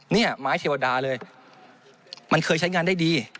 นี่ไม้เทวดาเลยมันเคยใช้งานได้ดี